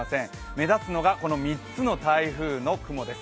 目立つのが３つの台風の雲です。